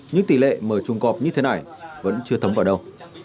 nhưng tỷ lệ mở chuồng cọp như thế này vẫn chưa thấm vào đâu